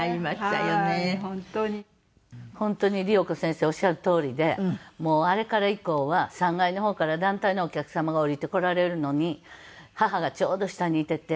本当に理代子先生おっしゃるとおりでもうあれから以降は３階の方から団体のお客様が下りてこられるのに母がちょうど下にいてて。